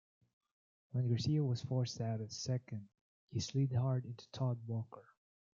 When Garcia was forced out at second, he slid hard into Todd Walker.